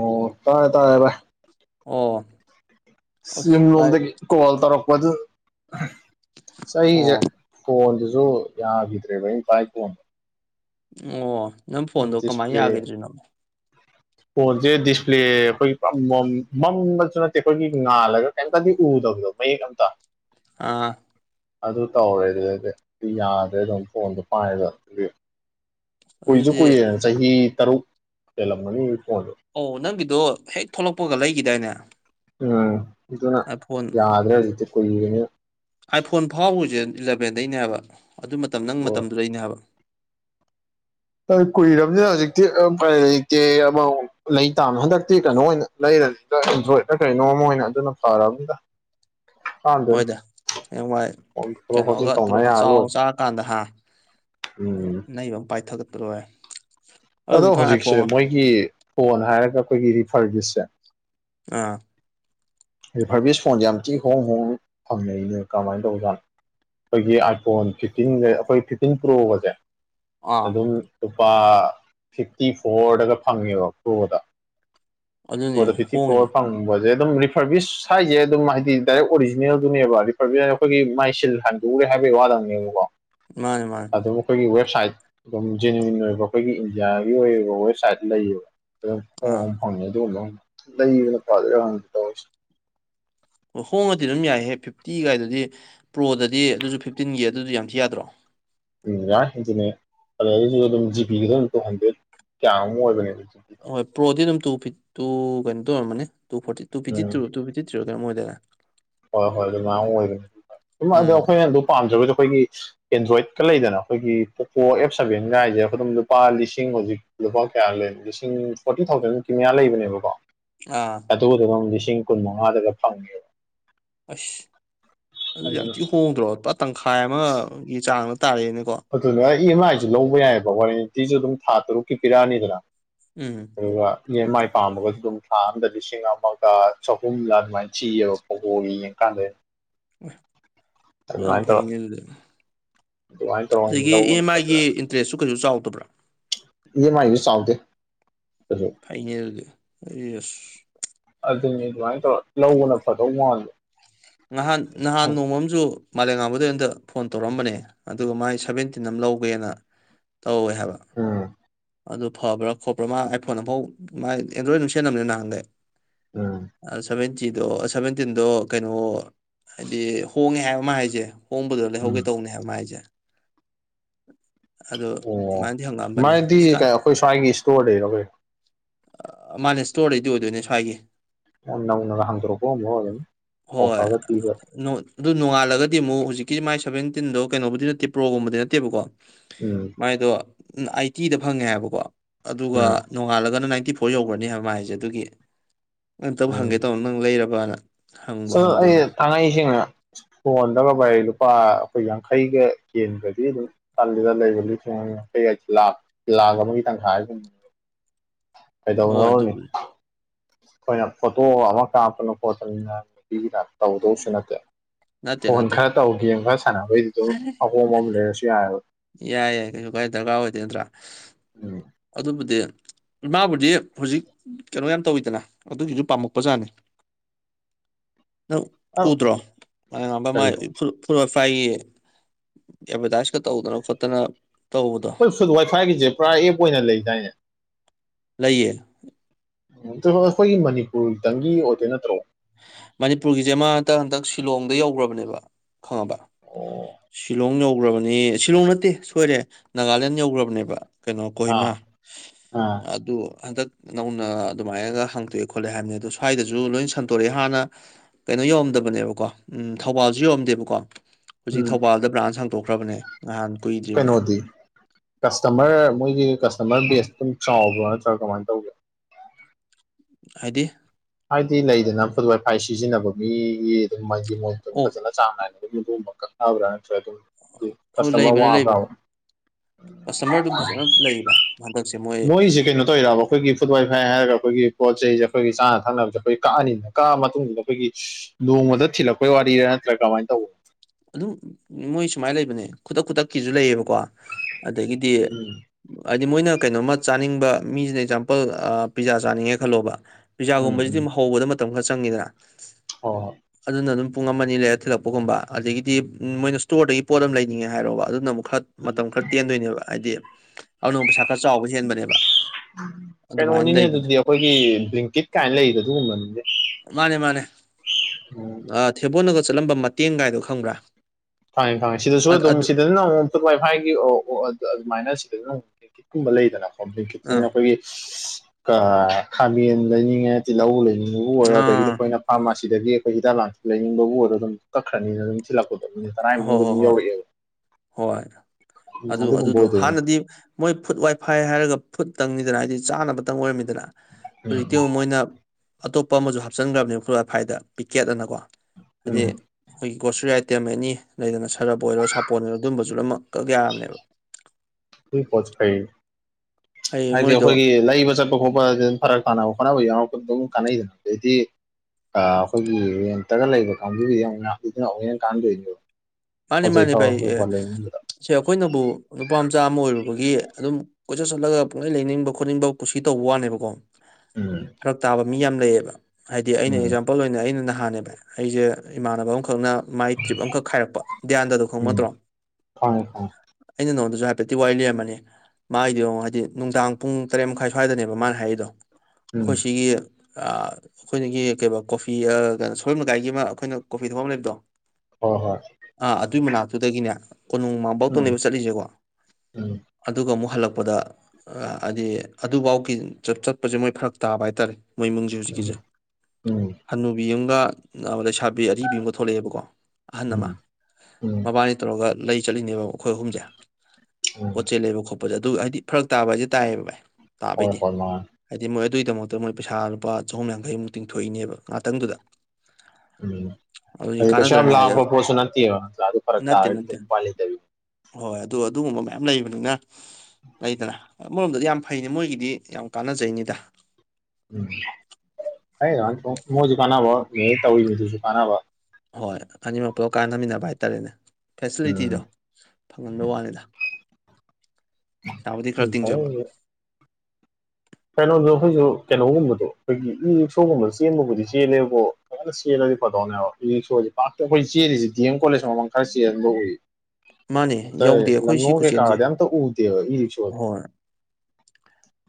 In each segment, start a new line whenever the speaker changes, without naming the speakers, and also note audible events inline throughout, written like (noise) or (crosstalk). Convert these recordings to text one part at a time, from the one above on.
ꯑꯣ ꯇꯥꯏꯔꯦ ꯇꯥꯏꯔꯦ ꯚꯥꯏ
ꯑꯣꯐ
ꯁꯝ ꯂꯗ ꯀꯣꯜ ꯇꯔꯣꯛꯄ ꯑꯗꯨ ꯆꯍꯤꯁꯦ
ꯑꯣ
ꯀꯣꯟꯗꯨꯁꯨ ꯌꯥꯈꯤꯗ꯭ꯔꯦꯕ ꯑ ꯄꯥꯏ ꯀꯣꯟꯗꯣ
ꯑꯣ ꯅꯪ ꯐꯣꯟꯗꯣ ꯀꯃꯥꯏꯅ
ꯗꯤꯁꯄ꯭ꯂꯦ
ꯌꯥꯈꯤꯗ꯭ꯔꯤꯅꯣ
ꯐꯣꯟꯁꯦ ꯗꯤꯁꯄ꯭ꯂꯦ ꯑꯩꯈꯣꯏꯒꯤ ꯄꯨꯔꯥ ꯃꯝꯕꯁꯨ ꯅꯠꯇꯦ ꯑꯩꯈꯣꯏꯒꯤ ꯉꯥꯜꯂꯒ ꯀꯩꯝꯇꯗꯤ ꯎꯗꯕ ꯣ ꯃ ꯀꯝ ꯊ
ꯑꯥ
ꯑꯗꯨ ꯇꯧꯔꯦ ꯑꯗꯨꯗꯗꯤ ꯌꯥꯗ꯭ꯔꯦ ꯑꯗꯨꯝ ꯐꯣꯟꯗꯣ ꯄꯥꯏꯗ ꯑꯗꯨ ꯀꯨꯏꯁꯨ
ꯑꯗꯨꯗꯤ
ꯀꯨꯏꯔꯦꯅ ꯆꯍꯤ ꯇꯔꯨꯛ ꯍꯦꯜꯂꯝꯒꯅꯤ ꯐꯣꯟ
ꯑꯣꯧ ꯅꯪꯒꯤꯗꯣ ꯍꯦꯛ ꯊꯣꯛꯂꯛꯄꯒ ꯂꯩꯈꯤꯗꯥꯏꯅꯦ
ꯎꯝ ꯑꯗꯨꯅ
ꯑꯥꯏꯐꯣꯟ
ꯌꯥꯗ꯭ꯔꯦ ꯍꯧꯖꯤꯛꯇꯤ ꯀꯨꯏꯔꯅꯤ
ꯇ ꯏꯂꯚꯦꯟꯗꯅꯦ ꯍꯥꯏꯕ ꯑꯗꯨ ꯃꯇꯝ ꯅꯪ
ꯐꯣꯟ
ꯃꯇꯝꯗꯨꯗ ꯑꯩꯅ ꯍꯥꯏꯕ
ꯀꯨꯏꯔꯕꯅꯤꯅ ꯍꯧꯖꯤꯛꯇꯤ ꯀꯔꯤ ꯂꯩꯇꯦ ꯑꯃ ꯂꯩꯇ ꯍꯟꯗꯛꯇꯤ ꯀꯩꯅꯣ ꯑꯣꯏꯅ ꯂꯩ ꯑꯦꯟꯗ꯭ꯔꯣꯏꯗꯅ ꯀꯩꯅꯣ ꯑꯃ ꯑꯣꯏꯅ ꯑꯗꯨꯅ ꯐꯔꯕꯅꯤꯗ
(unintelligible)
ꯀꯥꯟꯗꯦꯗ
ꯍꯣꯏꯗ ꯍꯡꯅꯨꯡ ꯋꯥꯥꯏ
ꯐꯣꯟ ꯊꯧꯗꯣꯛ ꯊꯧꯖꯤꯟ
ꯀꯩꯅꯣꯒ
ꯇꯧꯅ
ꯇꯂꯣꯀ
ꯌꯥꯔ
ꯆꯥꯎ
ꯂꯣꯏꯔꯦ
ꯆꯥꯔꯀꯥꯟꯗ ꯍꯥ
ꯎꯝ
ꯅꯕ ꯄꯥꯏꯊꯒꯠꯄꯔꯣꯏ
ꯑꯗꯣ ꯍꯧꯖꯤꯛꯁꯦ ꯃꯣꯏꯒꯤ ꯐꯣꯟ ꯍꯥꯏꯔꯒ ꯑꯩꯈꯣꯏꯒꯤ ꯔꯤꯐꯔꯒꯤꯁꯁꯦ
ꯑꯥ
ꯔꯤꯐꯔꯕꯤꯁ ꯐꯣꯟꯗꯤꯝꯇꯤ ꯍꯣꯡ ꯍꯣꯡꯅ ꯐꯪꯅꯩꯏꯅꯣ ꯀꯃꯥꯏꯅ ꯇꯧꯖꯥꯠ ꯑꯩꯈꯣꯏꯒꯤ ꯑꯥꯏꯐꯣꯟ ꯐꯤꯠꯇꯤꯡꯁꯦ ꯑꯩꯈꯣꯏ ꯐꯤꯠꯇꯤꯡ ꯄ꯭ꯔꯣꯒꯁꯦ
ꯑꯥ
ꯑꯗꯨꯝ ꯂꯨꯄꯥ ꯐꯤꯐꯇꯤ ꯐꯣꯔꯗꯒ ꯐꯪꯉꯦꯕ ꯀ꯭ꯔꯣꯗ
ꯑꯗꯨꯅꯦ
ꯑꯣꯗ ꯐꯤꯐꯇꯤ
ꯍꯣꯡꯉꯤ
ꯐꯣꯔ ꯐꯪꯕꯁꯦ ꯑꯗꯨꯝ ꯐꯔꯕꯤꯁ ꯍꯥꯏꯁꯦ ꯑꯗꯨꯝ ꯍꯥꯏꯗꯤ ꯗꯥꯏꯔꯦꯛ ꯑꯣꯔꯤꯖꯤꯅꯦꯜꯗꯨꯅꯦꯕ ꯔꯤ ꯐꯔꯕꯤꯁ ꯍꯥꯏ ꯑꯩꯈꯣꯏꯒꯤ ꯃꯥꯏ ꯁꯤꯜ ꯍꯟꯗꯣꯛꯎ꯭ꯔꯦ ꯍꯥꯏꯕꯒꯤ ꯋꯥꯗ ꯕꯀꯣ
ꯃꯥꯅꯦ ꯃꯥꯅꯦ
ꯑꯗꯨꯕꯨ ꯑꯩꯈꯣꯏꯒꯤ ꯋꯦꯕꯁꯥꯏꯠ ꯑꯗꯨꯝ ꯖꯦꯅꯋꯤꯟ ꯑꯣꯏꯕ ꯑꯩꯈꯣꯏꯒꯤ ꯏꯟꯗꯤꯌꯥꯒꯤ ꯑꯣꯏꯕ ꯋꯦꯕꯁꯥꯏꯠ ꯂꯩꯌꯦꯕ ꯍꯣꯡ
ꯑꯥ
ꯑꯃ ꯐꯪꯉꯦ ꯑꯗꯨꯒꯨꯝꯕ ꯂꯩꯅ ꯄꯥ ꯇꯧꯔꯤꯁꯤ
ꯍꯣꯡꯉꯗꯤ ꯑꯗꯨꯝ ꯌꯥꯏꯍꯦ ꯐꯤꯐꯇꯤꯒꯥꯏꯗꯨꯗꯤ ꯄ꯭ꯔꯣꯗꯗꯤ ꯑꯗꯨꯁꯨ ꯐꯤꯞꯇꯤꯟꯒꯤ ꯑꯗꯨꯗꯤ ꯌꯥꯝ ꯊꯤ ꯌꯥꯗ꯭ꯔꯣ
ꯎꯝ ꯌꯥꯔ ꯏꯟꯇꯔꯅꯦꯠ ꯑꯗ ꯑꯩꯁꯨ ꯑꯗꯨꯝ ꯖꯤ ꯄꯤꯒꯤꯗ ꯑꯗꯨꯝ ꯇꯧꯍꯟꯗꯦ
ꯍꯣꯏ ꯄ꯭ꯔꯣꯗꯤꯤꯟ ꯑꯃꯝ ꯇꯨ ꯤ ꯇꯨ ꯀꯩꯅꯣ ꯇꯧꯔꯝꯃꯅꯤ ꯇꯨ ꯐꯣꯔꯇꯤ ꯇꯨ ꯐꯤꯐꯇꯤ
ꯎꯝ
ꯇꯨ ꯐꯤꯇꯤ꯭ꯨꯣ ꯀꯩꯅꯝ ꯑꯣꯏꯗꯅ
ꯍꯣꯏ ꯍꯣꯏ ꯑꯗꯨ ꯃꯌꯥꯝ ꯑꯣꯏꯕꯅꯤ ꯑꯗꯣ
ꯎꯝ
ꯑꯩꯈꯣꯏꯅ ꯑꯗꯨ ꯄꯥꯝꯖꯕꯗꯤ ꯑꯩꯈꯣꯏꯒꯤ ꯑꯦꯟꯗ꯭ꯔꯣꯏꯗꯀ ꯂꯩꯗꯅ ꯑꯩꯈꯣꯏꯒꯤ ꯄꯣꯀꯣ ꯑꯦꯞ ꯁꯕꯦꯟꯒ ꯍꯥꯏꯁꯦ ꯑꯗꯨꯝ ꯂꯨꯄꯥ ꯂꯤꯁꯤꯡ ꯍꯧꯖꯤꯛ ꯂꯨꯄꯥ ꯀꯌꯥ ꯂꯩ ꯂꯤꯁꯤꯡ ꯐꯣꯔꯇꯤ ꯊꯥꯎꯖꯟꯃꯨꯛꯀꯤ ꯃꯌꯥ ꯂꯩꯕꯅꯦꯕꯀꯣ
ꯑꯥ
ꯑꯗꯨꯨꯗ ꯂꯤꯁꯤꯡ ꯀꯨꯟꯃꯉꯥꯗꯒ ꯐꯪꯉꯦ
ꯑꯁ ꯑꯗꯨ ꯌꯥꯝ ꯊꯤ ꯍꯣꯡꯗ꯭ꯔꯣꯠꯄꯥ ꯇꯪꯈꯥꯏ ꯑꯃꯒꯤ ꯆꯥꯡ ꯅ
ꯑꯗꯨꯅ ꯏ ꯑꯦꯝ ꯑꯥꯏꯁꯨ ꯂꯧꯕ ꯌꯥꯏꯑꯕ ꯋꯥꯔꯦꯟꯇꯤꯁꯨ ꯑꯗꯨꯝ ꯊꯥ ꯇꯔꯨꯛꯀꯤ ꯄꯤꯔꯛꯑꯅꯤꯗꯅ
ꯎꯝ
ꯌꯦ ꯃꯥꯏ ꯄꯥꯝꯃꯒꯁꯨ ꯑꯗꯨꯝ ꯊꯥ ꯑꯃꯗ ꯂꯤꯁꯤꯡ ꯑꯃꯒ ꯆꯍꯨꯝꯒ ꯑꯗꯨꯃꯥꯏꯅ ꯆꯤꯑꯕ ꯄꯍꯣꯏ ꯦ
ꯌꯥꯝ ꯐꯩꯅꯦ ꯑꯗꯨꯗꯤ
ꯑꯗꯨꯃꯥꯏꯅ ꯇꯧꯔ ꯑꯣꯏꯅ
ꯑꯗꯒꯤ ꯏ
ꯂꯧꯕꯅ
ꯑꯦꯝ ꯑꯥꯏꯒꯤ ꯏꯟꯇ꯭ꯔꯦꯁꯁꯨ ꯀꯩꯁꯨ ꯆꯥꯎꯗꯕ꯭ꯔꯥ
ꯌꯦ ꯃꯥꯥꯏꯌ ꯁꯥꯎꯇ
ꯐꯥꯏꯅꯦꯜꯗ ꯌꯦꯁ
ꯑꯗꯨꯅꯤ ꯑꯗꯨꯃꯥꯏꯅ ꯇꯧꯔ ꯂꯧꯕꯅ ꯐꯗꯧ ꯃꯥꯟꯕꯗ
ꯅꯍꯥꯟ ꯅꯍꯥꯟ ꯅꯣꯡꯃꯝꯨ ꯃꯥꯂꯦꯝ ꯉꯕꯗ ꯑꯣꯟꯗ ꯐꯣꯟ ꯇꯧꯔꯝꯕꯅꯦ ꯑꯗꯨꯒ ꯃꯥꯏ ꯁꯚꯦꯟꯇꯤꯟ ꯑꯃ ꯂꯧꯒꯦꯅ ꯇꯧꯋꯦ ꯍꯥꯏꯕ
ꯎꯝ
ꯑꯗꯨ ꯐꯕ꯭ꯔꯥ ꯈꯣꯠꯄ꯭ꯔꯥ ꯃꯥ ꯑꯥꯏꯐꯣꯟ ꯑꯃꯐꯥꯎ ꯃꯥꯥꯏ ꯑꯦꯟꯗ꯭ꯔꯣꯏꯗ ꯝ ꯁꯦꯟꯅꯕꯅꯦ ꯅꯍꯥꯟꯗꯦ
ꯎꯝ
ꯑ ꯁ ꯆꯤꯗꯣ ꯁꯇꯗꯣ ꯀꯩꯅ ꯀꯩꯅꯣ ꯍꯥꯏꯗꯤ ꯍꯣꯡꯉꯦ ꯍꯥꯏꯕ ꯑꯃ ꯍꯥꯏꯁꯦ ꯍꯣꯡꯕꯗ ꯂꯩꯍꯧꯒꯦ
ꯎꯝ
ꯇꯧꯅꯤ ꯍꯥꯏꯕ ꯑꯃ ꯍꯥꯏꯁꯦ (unintelligible)
ꯑꯣ
ꯑꯗꯨꯃꯥꯏꯅꯗꯤ ꯍꯪꯉꯛꯑꯝꯕꯅꯦ
ꯃꯗꯤ
ꯍꯧꯖꯤꯛꯀꯥꯟ
ꯑꯩꯈꯣꯏ ꯁ꯭ꯋꯥꯏꯒꯤ ꯏꯁꯇꯣꯔ ꯂꯩꯔꯈꯣꯏ
ꯃꯥꯅꯦ ꯏꯁꯇꯣꯔꯗꯩꯗꯤ ꯑꯣꯏꯗꯣꯏꯅꯦ ꯁ꯭ꯋꯥꯏꯒꯤ
ꯑꯣꯟꯅ ꯃꯟꯅꯗ ꯍꯥꯟꯗꯔꯛꯄꯣꯕ ꯑꯗꯨꯅꯤ
ꯍꯣꯏ ꯅ ꯑꯗꯨ ꯅꯣꯡꯉꯥꯜꯂꯒꯗꯤ ꯑꯃꯨꯛ ꯍꯧꯖꯤꯛꯀꯤ ꯃꯥꯏ ꯁꯕꯦꯟꯇꯤꯟꯗꯣ ꯀꯩꯅꯣꯕꯨꯗꯤ ꯅꯠꯇꯦ ꯄ꯭ꯔꯣꯒꯨꯝꯕꯗꯤ ꯅꯠꯇꯦꯕꯀꯣ
ꯎꯝ
ꯃꯥꯏꯗꯣ ꯑꯥꯏꯇꯤꯗ ꯐꯪꯉꯦ ꯍꯥꯏꯕꯀꯣ ꯑꯗꯨꯒ
ꯎꯝ
ꯅꯣꯡꯉꯥꯜꯂꯒꯅ ꯏ ꯐꯇꯤ ꯐꯣꯔ ꯌꯧꯈ꯭ꯔꯅꯤ ꯍꯥꯏꯕ ꯃꯥ ꯍꯥꯏꯁꯦ ꯑꯗꯨꯒꯤ ꯅꯪꯇꯕꯨ
ꯎꯝ
ꯍꯪꯒꯦ ꯇꯧꯅꯣ ꯅꯪ ꯂꯩꯔꯕꯅ ꯍꯪꯕꯨ
ꯁ ꯑꯩ
ꯍꯪꯗ꯭ꯔꯦꯅꯦ
ꯊꯥꯡꯉꯩꯁꯤꯡꯦꯡꯅ ꯐꯣꯟꯗꯕ ꯚꯥꯏ ꯂꯨꯄꯥ ꯑꯩꯈꯣꯏ ꯌꯥꯡ ꯌꯥꯡꯈꯩꯒ ꯌꯦꯟꯒꯗꯤ ꯑꯗꯨꯝ ꯀꯜꯂꯤꯂꯒ ꯂꯩꯕꯗꯨ ꯊꯦꯡꯅꯅꯤꯡꯩ ꯂꯥꯈ ꯑꯃꯒꯤ ꯇꯪꯈꯥꯏ ꯍꯥꯏ
(inaudible) ꯍꯣꯏ
ꯀꯩꯗꯧꯅꯤ
ꯑꯗꯨꯕꯨꯗꯤ
ꯑꯩꯈꯣꯏꯅ ꯐꯣꯇꯣ ꯑꯃ ꯀꯥꯞꯇꯅ ꯈꯣꯠꯇꯅꯤꯅ ꯅꯨꯄꯤꯒꯤꯅ ꯇꯧꯗꯧꯁꯨ ꯅꯠꯇꯦ
ꯅꯠꯇꯦ
ꯐꯣꯟ
ꯅꯠꯇꯦ
ꯈꯔ ꯇꯧꯒꯦ ꯈ ꯁꯥꯟꯅꯕꯩꯗꯨꯗꯨ ꯑꯍꯣꯕ ꯑꯃ ꯂꯩꯔꯁꯨ ꯌꯥꯏꯔ
ꯌꯥꯏ ꯌꯥꯏ ꯀꯩꯁꯨ ꯀꯥꯏ ꯗꯔꯀꯥꯔ ꯑꯣꯏꯗꯣꯏ ꯅꯗ꯭ꯔꯥ
ꯎꯝ
ꯑꯗꯨꯕꯨꯗꯤ ꯏꯃꯥꯕꯨꯗꯤ ꯍꯧꯖꯤꯛ ꯀꯩꯅꯣ ꯌꯥꯝ ꯇꯧꯋꯤꯗꯅ ꯑꯗꯨꯒꯤꯁꯨ ꯄꯥꯝꯃꯛꯄꯖꯥꯠꯅꯤ
ꯑ ꯀꯔꯤꯕ
ꯀꯗ꯭ꯔꯣ ꯐꯥꯏꯒꯤ ꯑꯦꯗꯚꯔꯗꯥꯏꯁꯀ ꯇꯧꯗꯅ ꯈꯣꯠꯇꯅ ꯇꯧꯕꯗꯣ
ꯍꯈꯣꯏ ꯐꯨꯗ ꯋꯥꯏꯐꯥꯏꯒꯤꯁꯦ ꯄꯨꯔꯥ ꯑꯦꯞ ꯑꯣꯏꯅ ꯂꯩꯗꯥꯏꯅꯦ
ꯂꯩꯌꯦ
ꯎꯝ ꯑꯩꯈꯣꯏꯒꯤ ꯃꯅꯤꯄꯨꯔꯗꯪꯒꯤ ꯑꯣꯏꯗꯣꯏ ꯅꯠꯇ꯭ꯔꯣ
ꯃꯅꯤꯄꯨꯔꯒꯤꯁꯦ ꯃꯥ ꯍꯟꯗꯛ ꯍꯟꯇꯛ ꯁꯤꯂꯣꯡꯗ ꯌꯧꯈ꯭ꯔꯕꯅꯦꯕ ꯈꯉꯕ
ꯑꯣ
ꯁꯤꯂꯣꯡꯅ ꯌꯧꯈ꯭ꯔꯕꯅꯤ ꯁꯤꯂꯣꯡ ꯅꯠꯇꯦ ꯁꯣꯏꯔꯦ ꯅꯥꯒꯥꯂꯦꯟ ꯌꯧꯈ꯭ꯔꯕꯅꯦꯕ ꯀꯩꯅꯣ
ꯑꯥ
ꯀꯣꯏꯃ
ꯑꯥ
ꯑꯗꯨ ꯍꯟꯗꯛ ꯅꯧꯅ ꯑꯗꯨꯃꯥꯏꯅꯒ ꯍꯪꯇ꯭ꯔꯦ ꯈꯣꯠꯂꯦ ꯍꯥꯏꯕꯅꯤ ꯑꯗꯣ ꯁ꯭ꯋꯥꯏꯗꯁꯨ ꯂꯣꯏ ꯁ ꯇꯣꯔꯦ ꯍꯥꯟꯅ ꯀꯩꯅꯣ ꯌꯧꯔꯝꯗꯕꯅꯦꯕꯀꯣ ꯎꯝ ꯊꯧꯕꯥꯜꯁꯨ ꯌꯧꯔꯝꯗꯦꯕꯀꯣ ꯍꯧꯖꯤꯛ
ꯎꯝ
ꯊꯧꯕꯥꯜꯗ ꯕ꯭ꯔꯥꯟꯁ ꯍꯥꯡꯇꯣꯛꯈ꯭ꯔꯕꯅꯦ ꯅꯍꯥꯟ ꯀꯨꯏꯗ꯭ꯔꯤꯕꯅꯦ
ꯀꯩꯅꯣꯗꯤ ꯀꯁꯇꯃꯔ ꯃꯣꯏꯒꯤ ꯀꯁꯇꯃꯔ ꯕꯦꯁ ꯑꯗꯨꯝ ꯆꯥꯎꯕ꯭ꯔꯥ ꯅꯠꯇ꯭ꯔꯒ ꯀꯃꯥꯏꯅ ꯇꯧꯒꯦ
ꯍꯥꯏꯗꯤ
ꯍꯥꯏꯗꯤ ꯂꯩꯗꯅ ꯐꯨꯠ ꯋꯥꯏꯐꯥꯏ ꯁꯤꯖꯤꯟꯅꯕ ꯃꯤꯒꯤ ꯑꯗꯨꯝ ꯍꯥꯏꯗꯤ ꯃꯣꯏ ꯑꯗꯨꯝ
ꯑꯣ
ꯐꯖꯅ ꯆꯥꯡ ꯅꯥꯏ ꯑꯗꯨꯒꯕ ꯀꯛꯕ꯭ꯔꯥ ꯅꯠꯇ꯭ꯔ ꯑꯗꯨꯝ
ꯑꯣ
ꯀꯁꯇꯃꯔ
ꯂꯩꯕꯅꯦ ꯂꯩꯕꯅꯦ
ꯋꯥꯕ꯭ꯔꯥꯕ
ꯀꯁꯇꯃꯔ ꯑꯗꯨꯝ ꯐꯖꯅ ꯂꯩꯌꯦꯕ ꯍꯟꯗꯛꯁꯦ ꯃꯣꯏ
ꯃꯣꯏꯁꯦ ꯀꯩꯅꯣ ꯇꯧꯕ ꯑꯩꯈꯣꯏꯒꯤ ꯐꯨꯠꯋꯥꯏ ꯐꯥꯏ ꯍꯥꯏꯔꯒ ꯑꯩꯈꯣꯏꯒꯤ ꯄꯣꯠ ꯆꯩꯁꯦ ꯑꯩ ꯆ ꯈꯪꯅꯕꯗ ꯑꯩꯈꯣꯏ ꯀꯛꯑꯅꯤꯅ ꯀꯛꯑ ꯃꯇꯨꯡꯁꯤꯗ ꯑꯩꯈꯣꯏꯒꯤ ꯅꯣꯡꯃꯗ ꯊꯤꯜꯂꯛꯄꯩ ꯋꯥꯔꯤꯔꯥ ꯅꯠꯇ꯭ꯔꯒ ꯀꯃꯥꯏꯅ ꯇꯧꯕ
ꯑꯗꯨꯝ ꯃꯣꯏ ꯁꯨꯃꯥꯏꯅ ꯂꯩꯕꯅꯦ ꯈꯨꯗꯛ ꯈꯨꯗꯛꯀꯤꯁꯨ ꯂꯩꯌꯦꯕꯀꯣ ꯀꯣ ꯑꯗꯒꯤꯗꯤ
ꯎꯝ
ꯍꯥꯏꯗꯤ ꯃꯣꯏꯅ ꯀꯩꯅꯣꯝꯃ ꯆꯥꯅꯤꯡꯕ ꯃꯤꯁꯤꯅ ꯑꯦꯛꯖꯥꯝꯄꯜ ꯄꯤꯖꯥ ꯆꯥꯅꯤꯡꯉꯦ ꯈꯜꯂꯣꯕ
ꯎꯝ ꯎꯝ
ꯄꯤꯖꯥꯒꯨꯝꯕꯁꯤꯗꯤꯝ ꯍꯧꯕꯗ ꯃꯇꯝ ꯈꯔ ꯆꯪꯉꯤꯗꯅ
ꯍꯣꯏ ꯍꯣꯏ
ꯑꯗꯨꯅ ꯑꯗꯨꯝ ꯄꯨꯡ ꯑꯃ ꯑꯅꯤ ꯂꯩꯔ ꯊꯤꯜꯂꯛꯄꯒꯨꯝꯕ ꯑꯗꯒꯤꯗꯤ ꯃꯣꯏꯅ ꯁ꯭ꯇꯣꯔꯗꯒꯤ ꯄꯣꯠ ꯑꯃ ꯂꯩꯅꯤꯡꯉꯦ ꯍꯥꯏꯔꯣꯕ ꯑꯗꯨꯅ ꯑꯃꯨꯛ ꯈꯔ
ꯎꯝ
ꯃꯇꯝ ꯈꯔ ꯇꯦꯟꯗꯣꯏꯅꯦꯕ ꯍꯥꯏꯗꯤ ꯑꯅꯧꯕ ꯄꯩꯁꯥ ꯈꯔ ꯆꯥꯎꯕ ꯍꯦꯟꯕꯅꯦꯕ ꯑꯗꯨꯃꯥꯏꯅ
ꯀꯩꯅꯣꯅꯤꯅꯦ
ꯂꯩꯕꯅꯦ
ꯑꯗꯨꯗꯤ ꯑꯩꯈꯣꯏꯒꯤ ꯕ꯭ꯡꯀꯤꯠ ꯀꯥꯏꯅ ꯂꯩꯗ ꯑꯗꯨꯒꯨꯝꯕꯅꯤꯅꯦ
ꯃꯥꯅꯦ ꯃꯥꯅꯦ
ꯎꯝ
ꯊꯦꯕꯣꯟꯅꯒ ꯆꯠꯂꯝꯕ ꯃꯇꯦꯡꯒꯥꯏꯗꯣ ꯈꯪꯕ꯭ꯔꯥ
ꯈꯪꯉꯦ ꯈꯥꯡꯉꯦ ꯁꯤꯗꯁꯨ ꯑꯗꯨꯝ
ꯑꯗꯨ
ꯁꯤꯗꯅ ꯑꯃꯨꯛ ꯐꯠ ꯋꯥꯏꯐꯥꯏꯒꯤ ꯑꯗꯨꯃꯥꯏꯅ ꯑꯗꯨꯪ ꯕ꯭ꯂꯦꯡꯀꯤꯠꯀꯨꯝꯕ ꯂꯩꯗꯅꯀꯣ ꯕ꯭ꯂꯦꯡꯀꯤꯠꯁꯤꯅ
ꯑꯥ
ꯑꯩꯈꯣꯏꯒꯤ ꯈꯥꯃꯦꯟ ꯂꯩꯅꯤꯡꯉꯦ ꯇꯤꯜꯍꯧ ꯂꯩꯅꯤꯡꯕꯕꯨ ꯑꯣꯏꯔꯣ
ꯑꯥ
ꯑꯗꯒꯤꯗꯤ ꯑꯩꯈꯣꯏꯅ ꯐꯥꯔꯃꯥꯁꯤ ꯁꯤꯗꯒꯤ ꯑꯩꯈꯣꯏ ꯍꯤꯗꯥꯛ ꯂꯥꯟꯁꯨ ꯂꯩꯅꯤꯡꯕꯕꯨ ꯑꯣꯏꯔꯣ ꯑꯗꯨꯝ ꯀꯛꯈ꯭ꯔꯅꯤꯅ ꯑꯗꯨꯝ ꯊꯤꯜꯂꯛꯀꯗꯕꯅꯤ
ꯍꯣꯏ
ꯇꯥꯏꯨꯡ
ꯍꯣꯏ ꯍꯣꯏ
ꯌꯧ
ꯍꯣꯏ ꯑꯗꯨ ꯑꯗꯨꯗꯣ ꯍꯥꯟꯅꯗꯤ ꯃꯣꯏ ꯐꯨꯠ ꯋꯥꯏ ꯐꯥꯏ ꯍꯥꯏꯔꯒ ꯐꯨꯠ ꯇꯪꯅꯤꯗꯅ ꯍꯥꯏꯗꯤ ꯆꯥꯅꯕꯇꯪ ꯑꯣꯏꯔꯝꯃꯤꯗꯅ
ꯎꯝ
ꯍꯧꯖꯤꯛꯇꯤ ꯑꯃꯨꯛ ꯃꯣꯏꯅ ꯑꯇꯣꯞꯄ ꯑꯃꯁꯨ ꯍꯥꯞꯆꯤꯟꯈ꯭ꯔꯕꯅꯦꯕ ꯐꯠ ꯑ ꯐꯥꯏꯗ ꯄꯤꯛꯀꯦꯠ ꯑꯅꯀꯣ
ꯎꯝ
ꯍꯥꯏꯗꯤ
ꯎꯝ
ꯑꯩꯈꯣꯏꯒꯤ ꯒ꯭ꯔꯣꯁꯔꯤ ꯔꯥꯏꯠ ꯑꯥꯏꯇꯦꯝ ꯑꯦꯅꯤ ꯂꯩꯗꯅ ꯁꯔꯞ ꯑꯣꯏꯔꯣ ꯁꯥꯄꯣꯟ ꯑꯣꯏꯔꯣ ꯑꯗꯨꯝꯕꯁꯨ ꯂꯣꯏꯅꯃꯛ ꯀꯛ ꯌꯥꯔꯕꯅꯦꯕ
ꯑꯗꯨꯏ ꯄꯣꯠꯁꯦ ꯐꯩ
ꯐꯩꯌꯦ
ꯍꯥꯏꯗꯤ
ꯃꯣꯏꯗꯣ
ꯑꯩꯈꯣꯏꯒꯤ ꯂꯩꯕ ꯆꯠꯄ ꯈꯣꯠꯄꯝ ꯐꯔꯛ ꯁꯥꯟꯅꯕ ꯈꯥꯟꯅꯕ ꯌꯥꯎ ꯑꯗꯨꯝ ꯀꯥꯟꯅꯩꯗꯅ ꯑꯗꯤ ꯑꯩꯈꯣꯏꯒꯤ ꯔꯦꯟꯇꯒ ꯂꯩꯕ ꯀꯥꯡꯕꯨꯒꯤꯗꯤꯛ ꯑꯃꯨꯛ ꯍꯡ ꯀꯥꯟꯅꯗꯣꯏꯅꯦꯕ
ꯃꯥꯅꯤ
ꯄꯣꯠ ꯆꯩ
ꯃꯥꯅꯤ
ꯐꯕ
ꯚꯥꯏ ꯑꯦ
ꯐꯕ ꯂꯩꯃꯤꯟꯕꯗ
ꯁꯦ ꯑꯩꯈꯣꯏꯅꯕꯨ ꯅꯨꯄꯥ ꯃꯆꯥ ꯑꯃ ꯑꯣꯏꯔꯨꯕꯒꯤ ꯑꯗꯨꯝ ꯀꯣꯏꯆꯠ ꯆꯠꯂꯒ ꯄꯨꯡꯂꯩ ꯂꯩꯅꯤꯡꯕ ꯈꯣꯠꯅꯤꯡꯕ ꯀꯁꯤ ꯇꯧꯕ ꯋꯥꯅꯦꯕꯀꯣ
ꯎꯝ
ꯐꯔꯛ ꯇꯥꯕ ꯃꯤ ꯌꯥꯝ ꯂꯩꯌꯦꯕ ꯍꯥꯏꯗꯤ ꯑꯩꯅ
ꯎꯝ
ꯑꯦꯛꯖꯥꯝꯄꯜ ꯑꯣꯏꯅ ꯑꯩꯅ ꯅ ꯍꯥꯟꯅꯦ ꯑꯩꯁꯦ ꯏꯃꯥꯟꯅꯕ ꯑꯃꯈꯛꯅ ꯃꯥꯏ ꯇ꯭ꯔꯤꯞ ꯑꯃꯈꯛ ꯈꯥꯏꯔꯦ ꯒ꯭ꯌꯥꯟꯗ ꯑꯗꯨ
ꯎꯝ
ꯈꯪꯉꯠꯇ꯭ꯔꯣ
ꯈꯪꯉꯦ ꯈꯪꯉꯦ
ꯑꯩꯅ ꯅ ꯑꯗꯨꯁꯨ ꯍꯥꯏꯐꯦꯠꯇꯤ ꯋꯥꯔꯤ ꯂꯤꯔꯃꯅꯤ ꯃꯥꯒꯤꯗꯣ ꯍꯥꯏꯗꯤ ꯅꯨꯡꯗꯥꯡ ꯄꯨꯡ ꯇꯔꯦꯠ ꯃꯈꯥꯏ ꯁ꯭ꯋꯥꯏꯗꯅꯦꯕ ꯃꯥꯅ ꯍꯥꯏꯔꯤꯗꯣ
ꯎꯝ
ꯑꯩꯈꯣꯏ ꯁꯤꯒꯤ ꯑꯩꯈꯣꯏꯅꯒꯤ ꯀꯩ ꯀꯣꯐꯤ ꯀꯩꯅꯣ ꯁꯣꯣꯔꯣꯟ ꯃꯀꯥꯏꯒꯤ ꯑꯃ ꯑꯩꯈꯣꯏꯅ ꯀꯣꯐꯤ ꯊꯧ ꯑꯃ ꯂꯩꯕꯗꯣ
ꯍꯣꯏ ꯍꯣꯏ
ꯑꯥ ꯑꯗꯨꯏ ꯃꯅꯥꯛꯇꯨꯗꯒꯤꯅꯦ ꯀꯣꯅꯨꯡ
ꯎꯝ
ꯃꯥꯡꯕꯧꯇꯧꯅꯦꯕ ꯆꯠꯂꯤꯁꯦꯀꯣ
ꯎꯝ
ꯑꯗꯨꯒ ꯑꯃꯨꯛ ꯍꯜꯂꯛꯄ ꯆꯠꯄꯗ ꯍꯥꯏꯗꯤ ꯑꯗꯨꯐꯥꯎꯒꯤ ꯆꯠꯄꯁꯦ ꯃꯣꯏ ꯐꯔꯛ ꯇꯥꯕ ꯍꯥꯏꯇꯥꯔꯦ ꯃꯣꯏ ꯏꯃꯨꯡꯁꯦ
ꯎꯝ
ꯍꯧꯖꯤꯛꯀꯤꯁꯦ
ꯎꯝ
ꯍꯟꯅꯨꯕꯤ ꯑꯃꯒꯅꯥ ꯂꯩꯁꯥꯕꯤ ꯑꯔꯤꯕ ꯑꯃꯒ ꯊꯣꯛꯂꯛꯑꯦꯕꯀꯣ ꯑꯍꯟ ꯑꯃ
ꯎꯝ ꯎꯝ
ꯃꯕꯥꯅꯤ ꯇꯧꯔꯒꯦ ꯑꯗꯨꯒ ꯂꯩ ꯆꯠꯂꯤꯅꯦꯕ ꯃꯈꯣꯏ ꯑꯍꯨꯝꯁꯦ
ꯎꯝ
ꯄꯣꯠ ꯆꯩ ꯂꯩꯕ ꯈꯣꯄ ꯄꯁꯦ ꯑꯗꯨꯒ ꯍꯥꯏꯗꯤ ꯐꯔꯛ ꯇꯥꯕ ꯍꯥꯏꯁꯦ ꯇꯥꯏꯌꯦꯕ ꯚꯥꯏ
ꯍꯣꯏ
ꯇꯥꯕꯩꯗꯤ
ꯍꯣꯏ ꯃꯥꯅꯦ
ꯍꯥꯏꯗꯤ ꯃꯣꯏ ꯑꯗꯨꯒꯤꯗꯃꯛꯇ ꯃꯣꯏ ꯄꯩꯁꯥ ꯂꯨꯄꯥ ꯆꯍꯨꯝ ꯌꯥꯡꯈꯩꯃꯨꯛ ꯇꯤꯡꯊꯣꯛꯏꯅꯦꯕ ꯉꯥꯛꯇꯪꯗꯨꯗ
ꯎꯝ
ꯑꯗꯨꯗꯤ
ꯑꯩ
ꯀꯥꯟꯅꯗ꯭ꯔꯅꯦ
ꯀꯩꯁꯕ
ꯍꯥꯏꯁꯦ
ꯂꯄ ꯄꯣꯁꯨ ꯅꯠꯇꯤ ꯑꯗꯨ ꯄꯔꯛꯇ
ꯅꯠꯇꯦ
ꯑꯔꯜ
ꯅꯠꯇꯦ
ꯇꯨꯝ ꯄꯜꯂꯤꯗꯕꯤ
ꯍꯣꯏ ꯑꯗꯨ ꯑꯗꯨꯒꯨꯝꯕ ꯃꯌꯥꯝ ꯂꯩꯕꯅꯤꯅ ꯂꯩꯗꯅ ꯑꯃꯔꯣꯝꯗꯗꯤ ꯌꯥꯝ ꯐꯩꯅꯦ ꯃꯣꯏꯒꯤꯗꯤ ꯌꯥꯝ ꯀꯥꯟꯅꯖꯩꯅꯤꯗ
ꯃꯁꯨꯨꯀꯥꯟꯅꯕ ꯇꯧ ꯃꯊꯁꯨꯨ ꯀꯥꯟꯅꯕ
ꯍꯣꯏ ꯑꯅꯤꯃꯛꯄꯗ ꯀꯥꯟꯅꯃꯤꯟꯅꯕ ꯍꯥꯏꯇꯥꯔꯦꯅꯦ ꯐꯦꯁꯤꯂꯤꯇꯤꯗꯣ
ꯎꯝ
ꯐꯪꯍꯟꯗ ꯋꯥꯅꯤꯗ ꯁꯕꯗꯤ ꯈꯔ ꯇꯤꯟ
ꯐꯔꯦ
ꯆꯕ
ꯀꯩꯅꯣꯗꯣ ꯑꯩꯈꯣꯏꯁꯨ ꯀꯩꯅꯣꯒꯨꯝꯕꯗꯣ ꯑꯩꯈꯣꯏꯒꯤ ꯏꯁꯣꯒꯨꯝꯕ ꯆꯦꯟꯕꯕꯨꯗꯤ ꯆꯦꯜꯂꯦꯕꯣ ꯐꯖꯅ ꯆꯂꯒ ꯗꯅꯦꯕ ꯄꯥꯛꯇ ꯑꯩꯈꯣꯏ ꯆꯦꯜꯂꯤꯁꯦ ꯗꯤ ꯑꯦꯝ ꯀꯣꯂꯦꯖ ꯃꯃꯜ ꯈꯔ ꯆꯦꯟꯕ ꯎꯏ
ꯃꯥꯅꯦ ꯌꯧꯗꯦ
ꯑ
ꯑꯩꯈꯣꯏ ꯁꯤ
ꯂꯨꯒꯦ
ꯈꯨꯆꯦꯟꯁꯦ
ꯀꯥꯗ ꯌꯥꯝꯇ ꯎꯗꯦ ꯏꯁꯨ ꯑꯗꯨ
ꯍꯣꯏ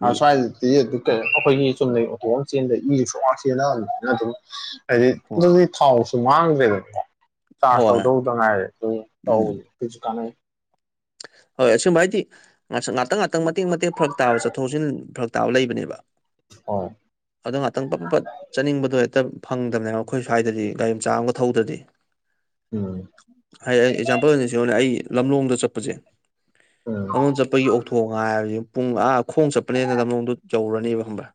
ꯃꯤ
ꯑꯁꯥꯏ ꯀꯩꯅꯣ ꯑꯩꯈꯣꯏꯒꯤ ꯆꯨꯝꯅꯩ ꯑꯣꯇꯣꯛ ꯑꯃ ꯆꯦꯟꯗ ꯏꯁꯨ ꯁ ꯋꯥ ꯆꯦꯅ ꯑꯗꯨꯝ ꯍꯥꯏꯗꯤ
ꯍꯣꯏ
ꯑꯗꯨꯗꯤ ꯊꯥꯎꯁꯨ ꯃꯥꯡꯗ꯭ꯔꯦꯗꯅꯀꯣ ꯆꯥꯔꯖ
ꯍꯣꯏ
ꯇꯧꯗꯧꯗ ꯉꯥꯏ ꯑꯗꯨ
ꯎꯝ
ꯇꯧ ꯑꯗꯨꯁꯨ ꯀꯥꯟꯅꯩ
ꯍꯣꯏ ꯑꯁꯒꯨꯝꯕ ꯍꯥꯏꯗꯤ ꯉ ꯉꯥꯛꯇꯪ ꯉꯥꯛꯇꯪ ꯃꯇꯦꯛ ꯃꯇꯦꯛ ꯐꯔꯛ ꯇꯥꯕ ꯆꯠꯊꯣꯛ ꯆꯠꯁꯤꯟ ꯐꯔꯛ ꯇꯥꯕ ꯂꯩꯕꯅꯦꯕ
ꯑ
ꯑꯗꯣ ꯉꯥꯛꯇꯪ ꯄꯞ ꯄ ꯄꯠ ꯆꯥꯅꯤꯡꯕꯗꯣ ꯍꯦꯛꯇ ꯐꯪꯗꯕꯅꯦꯕ ꯑꯩꯈꯣꯏ ꯁ꯭ꯋꯥꯏꯗꯗꯤ ꯒꯥꯔꯤ ꯃꯆꯥ ꯑꯃꯒ ꯊꯧꯗ꯭ꯔꯗꯤ
ꯎꯝ
ꯍꯥꯏ ꯑꯩ ꯑꯦꯛꯖꯥꯝꯄꯜ ꯑꯣꯏꯅ ꯁꯤꯣꯅꯦ ꯑꯩ ꯂꯝꯂꯣꯡꯗ ꯆꯠꯄꯁꯦ
ꯎꯝ
ꯑꯗꯨꯣꯝ ꯆꯠꯄꯒꯤ ꯑꯣꯛꯊꯣꯛꯒ ꯍꯥꯏꯕꯕꯁꯤ ꯄꯨꯡ ꯑꯥ ꯈꯣꯡ ꯆꯠꯄꯅꯦꯅ ꯂꯝ ꯅꯣꯡꯗꯨ ꯌꯧꯔꯅꯦꯕ ꯈꯪꯕ꯭ꯔꯥ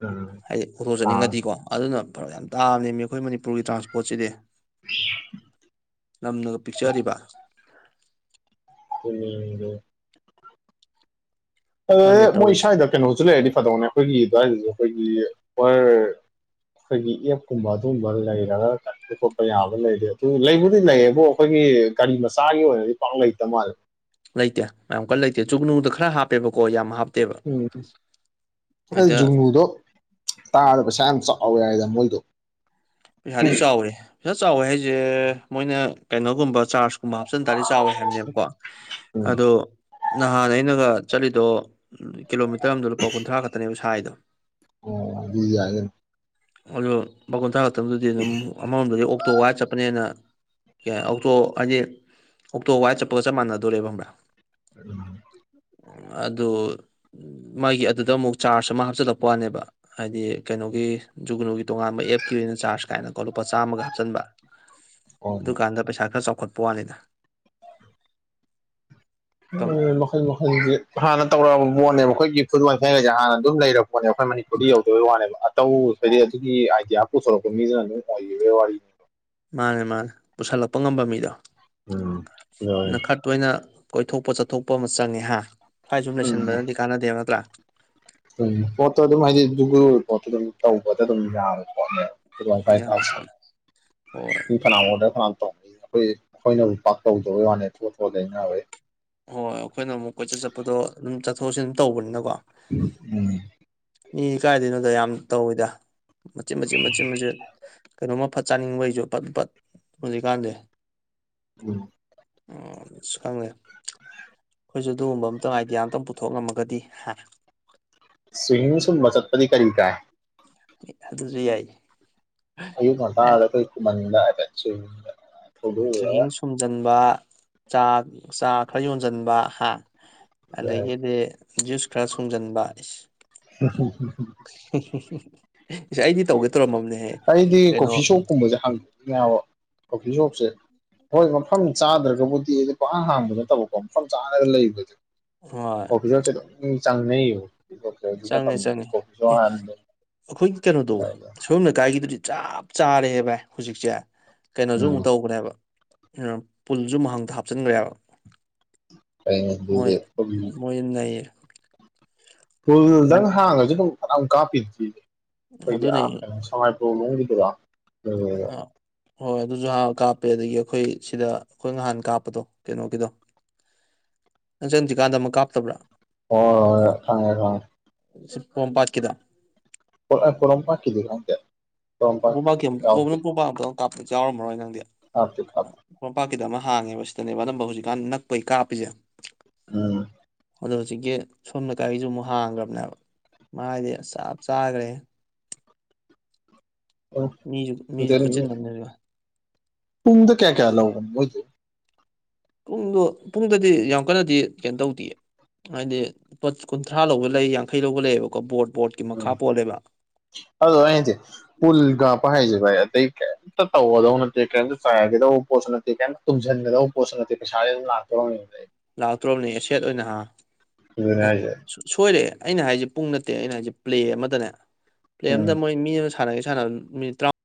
ꯎꯝ
ꯑꯩꯗꯤ
ꯑꯥ
ꯑꯣꯊꯣꯛꯆꯅꯤꯡꯉꯗꯤꯀꯣ ꯑꯗꯨꯅ ꯐꯔꯥꯛ ꯌꯥꯝ ꯇꯥꯕꯅꯦꯃꯤ ꯑꯩꯈꯣꯏ ꯃꯅꯤꯄꯨꯔꯒꯤ ꯇ꯭ꯔꯥꯟꯁꯄꯣꯔꯠꯁꯤꯗꯤ ꯂꯝꯅꯒ ꯄꯤꯛꯆꯔꯤꯕ
ꯀꯅꯤꯗꯨ (inaudible)
ꯈꯪꯗꯦ
ꯃꯣꯏ
ꯇꯧꯔꯤꯁꯦ
ꯁ꯭ꯋꯥꯏꯗ ꯀꯩꯅꯣꯁꯨ ꯂꯩꯔꯗꯤ ꯐꯗꯧꯅꯦ ꯑꯩꯈꯣꯏꯒꯤ ꯑꯗꯨꯋꯥꯏꯗꯁꯨ ꯑꯩꯈꯣꯏꯒꯤ ꯑꯣꯔ (inaudible) ꯑꯩꯈꯣꯏꯒꯤ ꯑꯦꯞꯀꯨꯝꯕ ꯑꯗꯨꯒꯨꯝꯕ ꯂꯩꯔꯒ ꯀꯟꯄ ꯈꯣꯠꯄ ꯌꯥꯕ ꯂꯩꯔꯦ ꯑꯗꯨ ꯂꯩꯕꯨꯗꯤ ꯂꯩꯌꯦꯕꯨ ꯑꯩꯈꯣꯏꯒꯤ ꯒꯥꯔꯤ ꯃꯆꯥꯒꯤ ꯑꯣꯏꯅꯗꯤ ꯄꯥꯛ ꯂꯩꯇꯕ ꯃꯥꯜꯂꯦ
ꯂꯩꯇꯦ ꯃꯌꯥꯝ ꯀꯟꯅ ꯂꯩꯇꯦ ꯖꯨꯒꯅꯨꯗ ꯈꯔ ꯍꯥꯞꯄꯦꯕꯀꯣ ꯌꯥꯝ ꯍꯥꯞ
ꯎꯝ ꯖꯨꯒꯅꯨꯗꯣ ꯇꯥꯕꯗ ꯄꯩꯁꯥ ꯌꯥꯝ ꯑꯥꯎ ꯌꯥꯏꯗ ꯃꯣꯏꯗꯣ
ꯄꯩꯁꯥꯗꯤ ꯆꯥꯎꯋꯦ ꯄꯩꯁꯥ ꯆꯥꯎꯋꯦ ꯍꯥꯏꯁꯦ ꯃꯣꯏꯅ ꯀꯩꯅꯣꯒꯨꯝꯕ ꯆꯥꯔꯖ ꯀꯨꯝꯕ ꯍꯥꯞꯆꯤꯟ ꯇꯔꯗꯤ ꯆꯥꯎꯋꯦ ꯍꯥꯏꯕꯅꯦꯕꯀꯣ
ꯎꯝ
ꯑꯗꯣ ꯅꯍꯥꯟ ꯑꯩꯅꯒ ꯆꯠꯂꯤꯗꯣ ꯀꯤꯂꯣꯃꯤꯇꯔ ꯑꯃꯗ ꯂꯨꯄꯥ ꯀꯨꯟꯊ꯭ꯔꯥ ꯈꯛꯇꯅꯦꯕ ꯁꯥꯏꯗꯣ
ꯑꯣ ꯑꯗꯨ ꯌꯥꯢ ꯀꯩꯅꯣ
ꯑꯗꯣ ꯂꯨꯄꯥ ꯀꯨꯟꯊꯔꯥ ꯈꯛꯇꯪꯗꯨꯗꯤ ꯑꯗꯨꯝ ꯑꯃꯔꯣꯝꯗꯗꯤ ꯑꯣꯛꯇꯣ ꯋꯥꯏꯔꯒ ꯆꯠꯄꯅ ꯍꯦꯟꯅ ꯌꯥ ꯑꯣꯛꯇꯣ ꯍꯥꯏꯗꯤ ꯑꯣꯛꯇꯣ ꯋꯥꯏꯔꯒꯥ ꯆꯠꯄꯒ ꯆꯞ ꯃꯥꯟꯅꯗꯣꯔꯦꯕ ꯈꯥꯉꯕꯥ
ꯎꯝ (inaudible)
ꯑꯗꯣ ꯃꯥꯒꯤ ꯑꯗꯨꯗ ꯑꯃꯨꯛ ꯆꯥꯔꯖ ꯑꯃ ꯍꯥꯞꯆꯤꯜꯂꯛꯄꯩ ꯋꯥꯅꯦꯕ ꯍꯥꯏꯗꯤ ꯀꯩꯅꯣꯒꯤ ꯖꯨꯒꯅꯣꯒꯤ ꯇꯣꯉꯥꯟꯕ ꯑꯦꯞꯀꯤ ꯑꯣꯏꯅ ꯆꯥꯔꯖ ꯒꯥ ꯍꯥꯏꯅꯥ ꯂꯨꯄꯥ ꯆꯥꯃꯥ ꯍꯥꯞꯆꯤꯟꯕ
ꯑꯣ
ꯑꯗꯨꯀꯟꯗ ꯄꯩꯁꯥ ꯈꯔꯥ ꯆꯥꯎ ꯑꯣꯠꯄꯣꯍꯂꯗ (inaudible)
ꯎꯝ ꯃꯈꯜ ꯃꯈꯜꯁꯦ ꯍꯥꯟꯅ ꯇꯧꯔꯛꯑꯕꯥ ꯄꯣꯠꯅꯦꯕꯥ ꯑꯩꯈꯣꯌꯒꯤ ꯐꯨꯠ ꯋꯥꯏꯐꯥꯏ ꯒꯥ ꯍꯥꯏꯁꯤ ꯍꯥꯟꯅ ꯑꯗꯨꯝ ꯂꯩꯔꯕ ꯑꯩꯈꯣꯏ ꯃꯅꯤꯄꯨꯗꯤ ꯌꯧꯗꯕ ꯋꯥꯅꯦ ꯇꯧ ꯍꯥꯏꯗꯤ ꯑꯗꯨꯒꯤ ꯑꯥꯏꯗꯤꯌꯥ ꯄꯨꯊꯣꯔꯛꯄ ꯃꯤꯗꯨꯅ ꯑꯗꯨꯝ ꯑꯣꯏꯕꯩ ꯋꯥꯔꯤꯅꯤ
ꯃꯥꯅꯦ ꯃꯥꯅꯦ ꯄꯨꯁꯜꯂꯛꯄ ꯉꯝꯕ ꯃꯤꯗꯣ
ꯎꯝ
ꯅ ꯈꯔꯥ ꯇꯣꯏꯅ ꯀꯣꯏꯊꯣꯛꯄ ꯆꯠꯊꯣꯛꯄ ꯑꯃ ꯆꯪꯉꯦ ꯍꯥ ꯁ꯭ꯋꯥꯏ ꯁꯨꯝ
ꯎꯝ
ꯂꯩꯁꯤꯟꯕꯅꯗꯤ ꯀꯥꯟꯅꯗꯦ ꯅꯠꯇ꯭ꯔꯥ
ꯎꯝ ꯄꯣꯠꯇꯣ ꯑꯗꯨꯝ ꯍꯥꯏꯗꯤ ꯒꯨꯒꯜ ꯄꯣꯠꯇꯣ ꯑꯗꯨꯝ ꯇꯧꯕꯗ ꯑꯗꯨꯝ ꯌꯥꯕꯅꯦꯀꯣ (inaudible)
ꯌꯥꯝ
ꯌꯥꯔꯦꯀꯣꯠꯅꯦꯥꯏꯁꯨ
ꯍꯣꯏ
ꯀꯅꯥꯒꯣꯗꯅꯥ ꯑꯩꯈꯣꯏ ꯑꯩꯈꯣꯏꯅ ꯄꯥꯛ ꯇꯧꯗꯕꯩ ꯋꯥꯅꯤ ꯊꯣꯛꯣꯄꯣꯩꯅ ꯑꯩꯣꯏ (inaudible)
ꯍꯣꯏ ꯑꯩꯈꯣꯏꯅ ꯑꯃꯨꯛ ꯀꯣꯏꯆꯠ ꯆꯠꯄꯗꯣ ꯑꯗꯨꯝ ꯆꯠꯊꯣꯛ ꯆꯠꯁꯤꯟ ꯇꯧꯕꯅꯤꯅꯥ ꯀꯦ
ꯎꯝ
ꯃꯤ ꯀꯥꯏꯗꯩꯅꯣꯗ ꯌꯥꯝ ꯇꯧꯏꯗ ꯃꯆꯦꯠ ꯃꯆꯦꯠ ꯃꯆꯦꯠ ꯃꯆꯦꯠ ꯀꯩꯅꯣ ꯑꯃꯥ ꯐꯠ ꯆꯥꯅꯤꯡꯕ ꯑꯩꯁꯨ ꯐꯠ ꯐꯠ ꯍꯧꯖꯤꯛꯀꯥꯟꯁꯦ
ꯎꯝ
ꯑꯥꯁ (inaudible) ꯈꯪꯗꯦ ꯑꯩꯈꯣꯏꯁꯨ ꯑꯗꯨꯒꯨꯝꯕ ꯑꯃꯇꯪ ꯑꯥꯏꯗꯤꯌꯥ ꯑꯃꯇꯪ ꯄꯨꯊꯣꯛꯉꯝꯂꯒꯗꯤ ꯍꯥ
ꯆꯨꯍꯤꯡ ꯁꯨꯝꯕꯥ ꯆꯥꯠꯄꯗꯤ ꯀꯔꯤ ꯀꯥꯏ
ꯑꯗꯨꯁꯨ ꯌꯥꯏ
ꯑꯌꯨꯛ
ꯑꯦ
ꯉꯥꯟꯇꯥꯗ (inaudible)
ꯆꯨꯍꯤꯡ ꯁꯨꯝꯖꯤꯟꯕ ꯆꯥ ꯆꯥ ꯈꯔ ꯌꯣꯟꯁꯤꯟꯕ ꯍꯥ ꯑꯗꯥꯒꯤꯗꯤ ꯖꯨꯁ ꯈꯔ ꯁꯨꯡꯖꯤꯟꯕ ꯑꯦꯁ ꯍꯤꯍꯤ ꯑꯩꯗꯤ ꯇꯧꯒꯦ (inaudible)
ꯑꯩꯗꯤ
ꯀꯩꯅꯣ
ꯀꯣꯐꯤ ꯁꯣꯞꯀꯨꯝꯕꯁꯦ ꯍꯥꯡꯅꯤꯡꯢꯅꯦ ꯀꯣꯐꯤ ꯁꯣꯞꯁꯦ (inaudible) ꯍꯣꯏ ꯃꯐꯝ ꯆꯥꯗ꯭ꯔꯒꯕꯨꯗꯤ ꯄꯥꯡꯍꯥꯡꯕ ꯍꯥꯥꯡꯕꯥ ꯅꯠꯇꯕꯀꯣ ꯃꯐꯝ ꯆꯥꯅꯒ ꯂꯩꯕꯘꯣ
ꯍꯣꯏ
ꯀꯣꯐꯤ ꯁꯣꯞꯁꯤ ꯑꯗꯨꯝ ꯆꯪꯅꯩꯕꯥ
ꯆꯪꯉꯦ ꯆꯪꯉꯦ ꯑꯦ ꯑꯩꯈꯣꯏꯒꯤ ꯀꯩꯅꯣꯗꯣ ꯁꯣꯏꯕꯥꯝ ꯂꯩꯀꯥꯏꯒꯤ ꯗꯨꯗꯤ ꯆꯞ ꯆꯥꯔꯦ ꯚꯥꯏ ꯍꯧꯖꯤꯛꯁꯦ ꯀꯩꯅꯣꯁꯨ
ꯎꯝ
ꯑꯃꯨꯛ ꯇꯧꯕꯅꯦꯕ ꯄꯨꯜꯁꯨ ꯃꯍꯥꯡꯗ ꯍꯥꯞꯆꯤꯟꯈ꯭ꯔꯦꯕ (inaudible)
ꯀꯗꯤ (inaudible)
ꯃꯣꯏꯅꯥ ꯅꯩꯔꯦ꯫
ꯐꯨꯜꯗꯪ ꯍꯥꯡꯉꯁꯨ ꯑꯗꯨꯝ ꯐꯅꯥꯌꯝ ꯀꯥꯞꯄꯤꯗꯨꯗꯤ ꯑꯩꯈꯣꯏꯒꯤ
ꯑꯗꯨꯅꯤ
ꯑꯁ ꯀꯩꯅꯤ ꯁꯥꯉꯥꯏ (inaudible) ꯇꯅꯣꯡꯕꯤꯗꯗꯥ (inaudible)
ꯑ ꯍꯣꯏ ꯑꯗꯨꯖꯨ ꯍꯥꯔ ꯀꯥꯞꯄꯦ ꯑꯗꯒꯤ ꯑꯈꯣꯏ ꯁꯤꯗ ꯑꯈꯣꯏ ꯅꯍꯥꯟ ꯀꯥꯞꯄꯗꯣ ꯀꯩꯅꯣꯒꯤꯗꯣ ꯅꯪ ꯆꯪꯗ꯭ꯔꯤꯀꯥꯟꯗ ꯑꯃꯨꯛ ꯀꯥꯞꯇꯕ꯭ꯔꯥ
ꯑꯣ ꯈꯪꯉꯦ ꯈꯪꯉꯦ
ꯁꯤ ꯄꫭꯝꯄꯥꯠꯀꯤꯗ
ꯑꫭ ꯑ ꯄꫭꯔꫭꯝꯄꯥꯠ ꯀꯤꯗꯤ ꯈꯪꯗꯦ
ꯑꯕꯨ
ꯄꯣꯔꯣꯝꯄꯥꯠꯀꯤ
ꯃꯥꯡꯒꯤ (unintelligible) ꯑꯃꯛꯅꯣꯇꯪ ꯀꯥꯞꯄ ꯌꯥꯎꯔꯝꯃꯔꯣꯏ ꯅꯪꯗꯤ
ꯀꯥꯞꯇꯦ ꯀꯥꯞꯇꯦ
ꯁꯤꯗ ꯑꯃ ꯍꯥꯡꯉꯦꯕ ꯁꯤꯗꯅꯦꯕ ꯑꯅꯝꯕ ꯍꯧꯖꯤꯛꯀꯥꯟ ꯅꯛꯄꯩ ꯀꯥꯞꯄꯤꯖꯦ
ꯎꯝ
ꯑꯗꯣ ꯍꯧꯖꯤꯛꯀꯤ ꯁꯣꯝꯅꯀꯟꯒꯤꯖꯨ ꯑꯃꯨꯛ ꯍꯥꯡꯒ꯭ꯔꯕꯅꯦꯕ ꯃꯥꯗꯤ ꯆꯞ ꯆꯥꯒ꯭ꯔꯦꯈꯦ ꯃꯤꯖꯨ ꯃꯤꯖꯨ ꯈꯨꯆꯤꯟ ꯑꯝꯅꯦꯗꫭ
ꯄꯨꯡꯗ ꯀꯌꯥ ꯀꯌꯥ ꯂꯧꯕꯅꫭ ꯃꫭꯏꯗꯨ
ꯄꯨꯡꯗꯣ ꯄꯨꯡꯗꯗꯤ ꯌꯥꯝ ꯀꯟꯅꯗꯤ ꯀꯩꯅꫭ ꯇꯧꯗꯤꯌꯦ ꯍꯥꯏꯗꯤ ꯂꯨꯄꯥ ꯀꯨꯟꯊ꯭ꯔꯥ ꯂꯧꯕ ꯂꯩ ꯌꯥꯡꯈꯩ ꯂꯧꯕ ꯂꯩꯌꯦꯕꯀꯣ ꯕꯣꯠ
ꯎꯝ ꯑꯗꯨ ꯑꯩꯖꯦ ꯄꯨꯜꯒ ꯄꯥꯏꯖꯦ ꯕꯥꯏ ꯑꯇꯩ ꯀꯩꯝꯇ ꯇꯧꯒꯗꯧ ꯅꯠꯇꯦ ꯀꯩꯝꯇ ꯆꯥꯏꯒꯗꯧ ꯄꯣꯠꯁꯨ ꯅꯠꯇꯦ ꯀꯩꯝ ꯇꯨꯝꯁꯤꯟꯒꯗꯧ ꯄꯣꯠꯁꯨ ꯅꯠꯇꯦ ꯄꯩꯁꯥꯗꯨꯝ ꯂꯥ ꯂꯥꯛ ꯇꫭꯏꯅꯦ ꯑꯗꯩ
ꯂꯥꯛꯇ꯭ꯔꫭꯕꯅꯦ ꯁꯦꯠ ꯑꯣꯏꯅ ꯍꯥ
ꯑꯗꯨꯅꯦ
ꯑꯦ
ꯍꯥꯏꯁꯦ
ꯁꯣꯏꯔꯦ ꯑꯩꯅ ꯍꯥꯏꯖꯦ ꯄꯨꯡ ꯅꯠꯇꯦ ꯑꯩꯅ ꯍꯥꯏꯖꯦ ꯄ꯭ꯂꯦ ꯑꯃꯗꯅꯦ ꯄ꯭ꯂꯦ ꯑ‌ꯝꯗ
ꯎꯝ
ꯃꯣꯏ ꯃꯤ ꯑꯁꯨ ꯁꯥꯟꯅꯒꯦ ꯁꯥꯟꯅꯕ ꯃꯤꯅꯤꯠ ꯇ꯭ꯔꯥꯝ